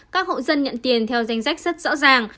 các hộ dân nhận tiền theo danh sách rất rõ ràng